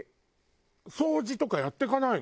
掃除とかやっていかないの？